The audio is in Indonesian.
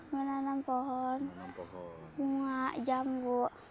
menanam pohon bunga jambu